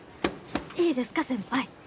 いいですか先輩。